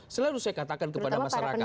selalu saya katakan kepada masyarakat